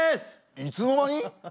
いつの間に？